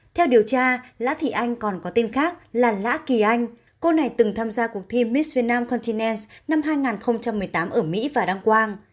theo điều tra lã thị anh còn có tên khác là lã kỳ anh cô này từng tham gia cuộc thi misherna continence năm hai nghìn một mươi tám ở mỹ và đăng quang